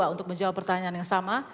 untuk menjawab pertanyaan yang sama